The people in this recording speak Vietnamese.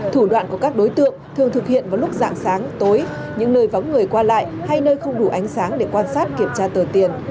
thủ đoạn của các đối tượng thường thực hiện vào lúc dạng sáng tối những nơi vắng người qua lại hay nơi không đủ ánh sáng để quan sát kiểm tra tờ tiền